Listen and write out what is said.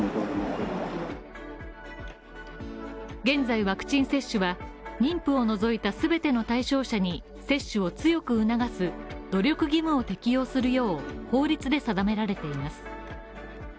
現在、ワクチン接種は妊婦を除いた全ての対象者に接種を強く促す努力義務を適用するよう法律で定められています。